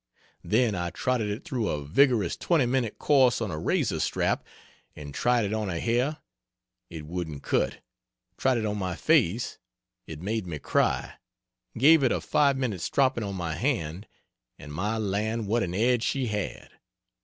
Then I trotted it through a vigorous 20 minute course on a razor strap and tried it on a hair it wouldn't cut tried it on my face it made me cry gave it a 5 minute stropping on my hand, and my land, what an edge she had!